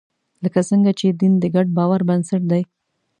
لکه څنګه چې دین د ګډ باور بنسټ دی.